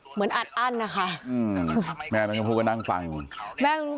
แม่ยังคงมั่นใจและก็มีความหวังในการทำงานของเจ้าหน้าที่ตำรวจค่ะ